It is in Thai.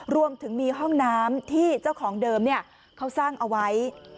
รวมถึงมีห้องน้ำที่เจ้าของเดิมเขาสร้างเอาไว้